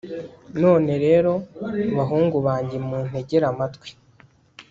None rero bahungu banjye muntegere amatwi